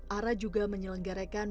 ara juga menyelenggarakan